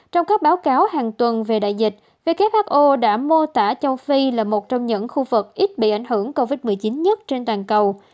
trong các báo cáo hàng tuần về đại dịch who đã mô tả châu phi là một trong những khu vực ít bị ảnh hưởng covid một mươi chín nhất trên toàn cầu